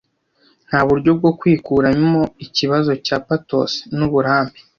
Nta buryo bwo kwikuramo ikibazo cya patos nuburambe.